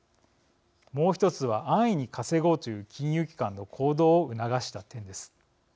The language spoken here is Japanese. もう一つは安易に稼ごうという金融機関の行動を促した点です。